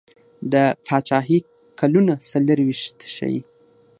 د پاچهي کلونه څلیرویشت ښيي.